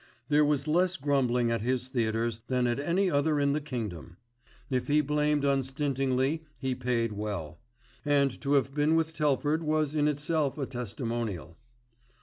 There was less grumbling at his theatres than at any other in the kingdom. If he blamed unstintingly he paid well, and to have been with Telford was in itself a testimonial.